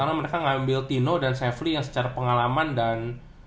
karena mereka ngambil tino dan sefli yang secara pengalaman dan impact nya cukup bagus juga gitu ya